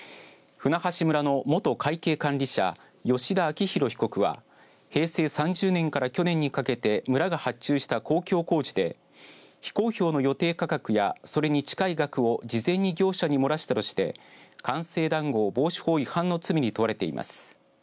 舟橋村の元会計管理者吉田昭博被告は平成３０年から去年にかけて村が発注した公共工事で非公表の予定価格やそれに近い額を事前に業者に漏らしたとして官製談合防止法違反の罪に問われています。